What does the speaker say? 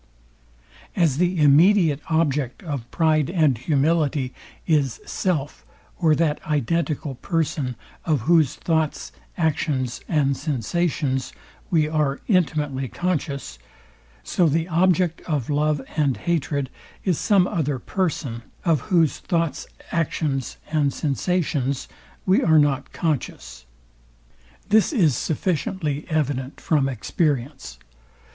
As the immediate object of pride and humility is self or that identical person, of whose thoughts, actions, and sensations we are intimately conscious; so the object of love and hatred is some other person, of whose thoughts, actions, and sensations we are not conscious. This is sufficiently evident from experience.